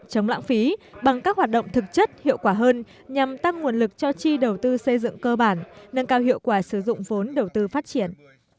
chống lãng phí bằng các hoạt động thực chất hiệu quả hơn nhằm tăng nguồn lực cho chi đầu tư xây dựng cơ bản nâng cao hiệu quả sử dụng vốn đầu tư phát triển